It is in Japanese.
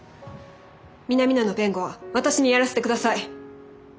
南野の弁護は私にやらせてください。